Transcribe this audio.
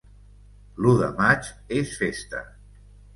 L'u de maig és festa.